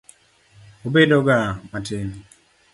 Obedoga matin.